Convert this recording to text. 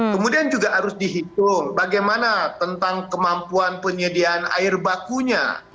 kemudian juga harus dihitung bagaimana tentang kemampuan penyediaan air bakunya